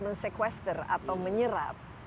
mensekwester atau menyerap